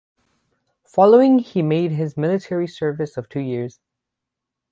Following he made his military service of two years.